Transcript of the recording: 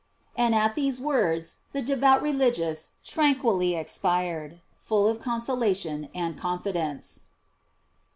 And at these words the de vout religious tranquilly expired, full of conso lation and confidence.